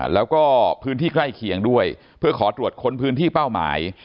แล้วก็พื้นที่ใกล้เคียงด้วยเพื่อขอตรวจค้นพื้นที่เป้าหมาย